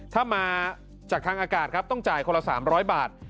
ถ้ามาจากทางอากาศครับต้องจ่ายคนละ๓๐๐บาท